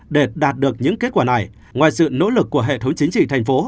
để đạt được những kết quả này ngoài sự nỗ lực của hệ thống chính trị thành phố